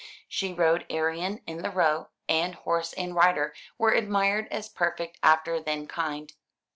She rode Arion in the Row, and horse and rider were admired as perfect after then kind.